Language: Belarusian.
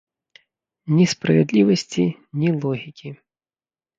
Ні справядлівасці, ні логікі.